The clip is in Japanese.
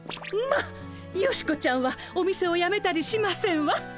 まっヨシコちゃんはお店をやめたりしませんわ！